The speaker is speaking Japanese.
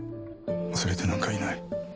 忘れてなんかいない。